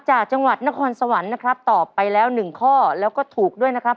จากจังหวัดนครสวรรค์นะครับตอบไปแล้วหนึ่งข้อแล้วก็ถูกด้วยนะครับ